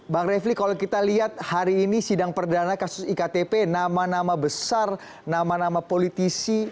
bang refli kalau kita lihat hari ini sidang perdana kasus iktp nama nama besar nama nama politisi